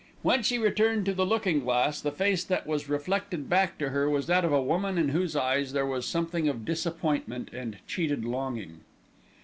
When she returned to the looking glass, the face that was reflected back to her was that of a woman in whose eyes there was something of disappointment and cheated longing.